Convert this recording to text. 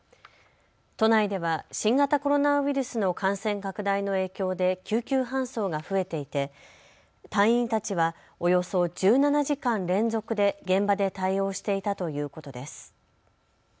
都内では新型コロナウイルスの感染拡大の影響で救急搬送が増えていて隊員たちはおよそ１７時間連続で現場で対応していたということです。